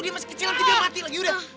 dia masih kecil nanti dia mati lagi udah